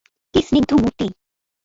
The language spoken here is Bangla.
কী স্নিগ্ধ মূর্তি!